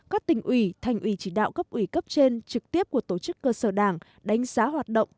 các tỉnh ủy thành ủy chỉ đạo cấp ủy cấp trên trực tiếp của tổ chức cơ sở đảng đánh giá hoạt động